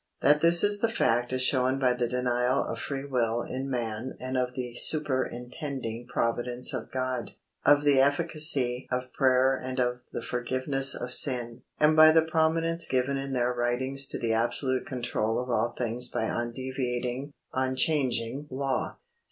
That this is the fact is shown by the denial of free will in man and of the superintending providence of God; of the efficacy of prayer and of the forgiveness of sin; and by the prominence given in their writings to the absolute control of all things by undeviating, unchanging law.